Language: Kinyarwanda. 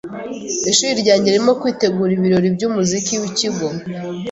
Ishuri ryanjye ririmo kwitegura ibirori byumuziki wikigo.